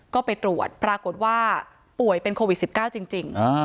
ก็ไปตรวจปรากฏว่าป่วยเป็นโควิด๑๙จริง